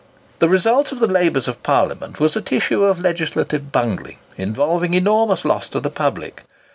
The result of the labours of Parliament was a tissue of legislative bungling, involving enormous loss to the public.